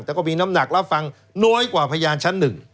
แต่ก็มีน้ำหนักรับฟังน้อยกว่าพยานชั้น๑